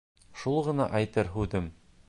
Шул ғына әйтер һүҙем.